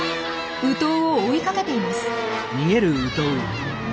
ウトウを追いかけています。